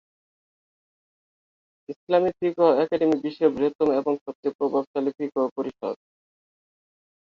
ইসলামি ফিকহ একাডেমি বিশ্বের বৃহত্তম এবং সবচেয়ে প্রভাবশালী ফিকহ পরিষদ।